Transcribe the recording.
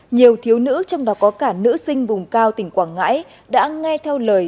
nhiều thiếu nữ trong đó có cả nữ sinh vùng cao tỉnh quảng ngãi đã nghe theo lời